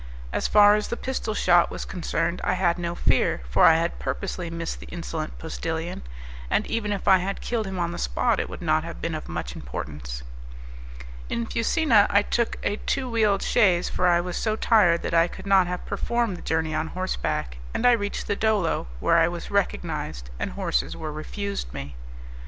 As far as the pistol shot was concerned I had no fear, for I had purposely missed the insolent postillion; and even if I had killed him on the spot it would not have been of much importance. In Fusina I took a two wheeled chaise, for I was so tired that I could not have performed the journey on horseback, and I reached the Dolo, where I was recognized and horses were refused me.